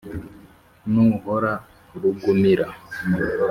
nuhora rugumira,